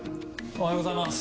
おはようございます。